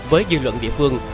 với dư luận địa phương